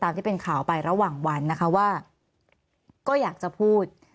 ที่เป็นข่าวไประหว่างวันนะคะว่าก็อยากจะพูด